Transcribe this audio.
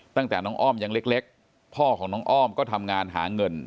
ตั้งแต่น้องอ้อมยังเล็กพ่อของน้องอ้อมก็ทำงานหาเงิน